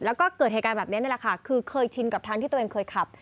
แล้วก็เกิดเหตุการณ์แบบนี้นี่แหละค่ะคือเคยชินกับทางที่ตัวเองเคยขับ